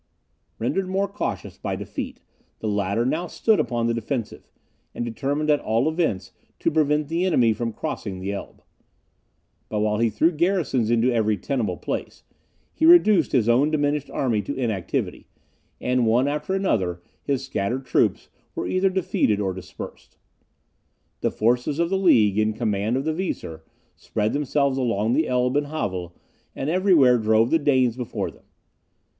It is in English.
Rendered more cautious by defeat, the latter now stood upon the defensive; and determined at all events to prevent the enemy from crossing the Elbe. But while he threw garrisons into every tenable place, he reduced his own diminished army to inactivity; and one after another his scattered troops were either defeated or dispersed. The forces of the League, in command of the Weser, spread themselves along the Elbe and Havel, and everywhere drove the Danes before them.